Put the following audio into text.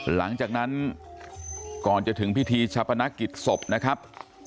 หลังจากนั้นก่อนจะถึงพิธีชะพนักกิจศพนะครับ